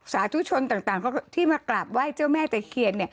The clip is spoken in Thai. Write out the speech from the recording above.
สาธุชนต่างที่มากราบไหว้เจ้าแม่ตะเคียน